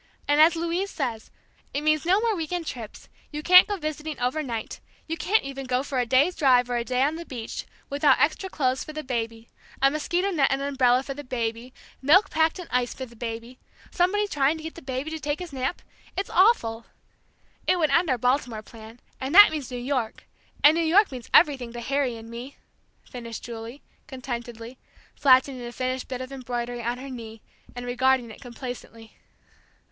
And as Louise says it means no more week end trips; you can't go visiting over night, you can't even go for a day's drive or a day on the beach, without extra clothes for the baby, a mosquito net and an umbrella for the baby milk packed in ice for the baby somebody trying to get the baby to take his nap it's awful! It would end our Baltimore plan, and that means New York, and New York means everything to Harry and me!" finished Julie, contentedly, flattening a finished bit of embroidery on her knee, and regarding it complacently.